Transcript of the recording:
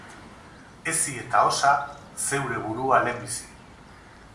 Hezi eta osa zeure burua lehenbizi.